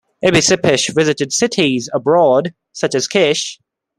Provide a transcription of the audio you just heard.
Ibbi-Sipish visited cities abroad, such as Kish.